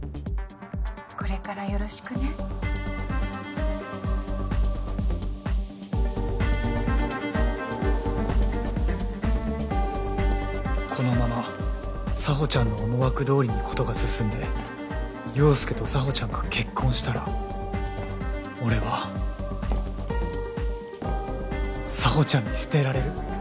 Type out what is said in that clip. これからよろしくこのまま沙帆ちゃんの思惑通りに事が進んで陽佑と沙帆ちゃんが結婚したら俺は沙帆ちゃんに捨てられる？